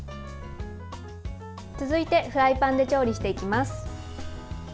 続いて、フライパンで調理していきます。